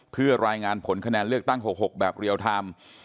เพื่อรายงานผลคะแนนเลือกตั้ง๖๖แบบเรียลไทม์